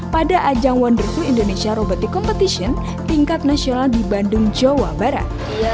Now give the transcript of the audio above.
pada ajang wonderful indonesia robotic competition tingkat nasional di bandung jawa barat